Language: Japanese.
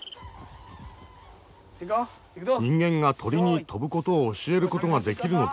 人間が鳥に飛ぶことを教えることができるのだろうか。